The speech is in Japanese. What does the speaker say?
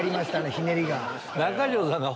ひねりが。